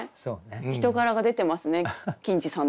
人柄が出てますね欣次さんの。